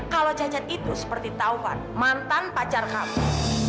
kalau cacat itu seperti taufan mantan pacar kamu